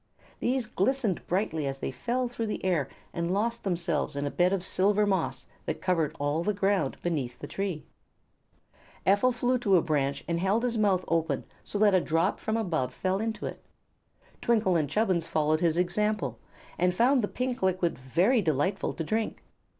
These glistened brightly as they fell through the air and lost themselves in a bed of silver moss that covered all the ground beneath the tree. Ephel flew to a branch and held his mouth open so that a drop from above fell into it. Twinkle and Chubbins followed his example, and found the pink liquid very delightful to drink.